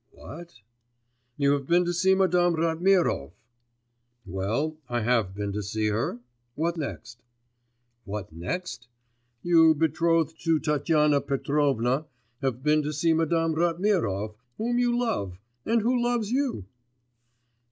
'What?' 'You have been to see Madame Ratmirov.' 'Well, I have been to see her. What next?' 'What next?... You, betrothed to Tatyana Petrovna, have been to see Madame Ratmirov, whom you love ... and who loves you.